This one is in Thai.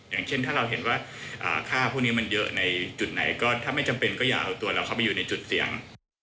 อย่างเช่นถ้าเราเห็นว่าค่าพวกนี้มันเยอะในจุดไหนก็ถ้าไม่จำเป็นก็อย่าเอาตัวเราเข้าไปอยู่ในจุดเสี่ยง